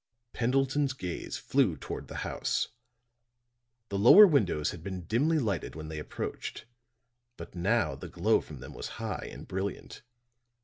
Pendleton's gaze flew toward the house. The lower windows had been dimly lighted when they approached; but now the glow from them was high and brilliant.